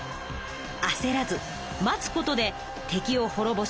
あせらず待つことで敵をほろぼし